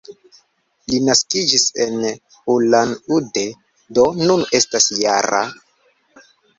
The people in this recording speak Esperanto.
Li naskiĝis en Ulan-Ude, do nun estas -jara.